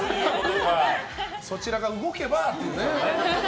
そちらが動けばというね。